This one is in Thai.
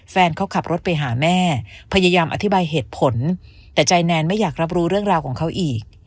แฟนเขาขับรถไปหาแม่พยายามอธิบายเหตุผลแต่ใจแนนไม่อยากรับรู้เรื่องราวของเขาอีก